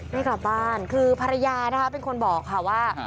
ไม่กลับบ้านคือภรรยานะคะเป็นคนบอกค่ะว่า